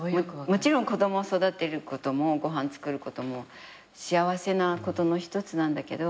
もちろん子供を育てることもご飯作ることも幸せなことの一つなんだけど。